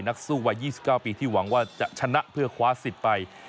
นักสู้วัย๒๙ปีที่หวังว่าจะชนะเพื่อคว้าสิทธิ์ไป